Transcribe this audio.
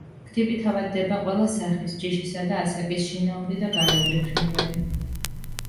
გრიპით ავადდება ყველა სახის, ჯიშისა და ასაკის შინაური და გარეული ფრინველი.